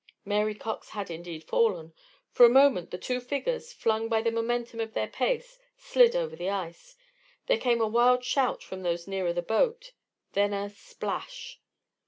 Mary Cox had indeed fallen. For a moment the two figures, flung by the momentum of their pace, slid over the ice. There came a wild shout from those nearer the boat then a splash!